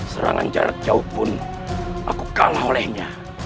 serangan jarak jauh pun aku kalah olehnya